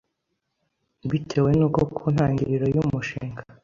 bitewe n’uko ku ntangiriro y’umushinga